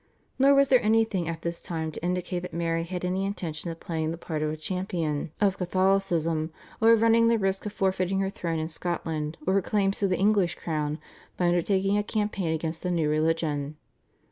Nor was there anything at this time to indicate that Mary had any intention of playing the part of a champion of Catholicism, or of running the risk of forfeiting her throne in Scotland or her claims to the English crown by undertaking a campaign against the new religion.